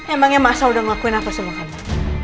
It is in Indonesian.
emangnya masa udah ngelakuin apa semua kali